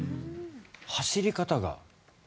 走り方がね。